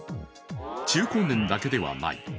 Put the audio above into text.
中高年だけではない。